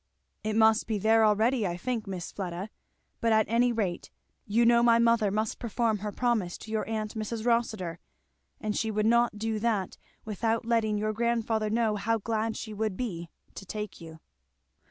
"It must be there already, I think, Miss Fleda; but at any rate you know my mother must perform her promise to your aunt Mrs. Rossitur; and she would not do that without letting your grandfather know how glad she would be to take you."